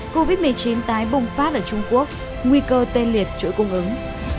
covid một mươi chín tái bùng phát ở trung quốc nguy cơ tê liệt chuỗi cung ứng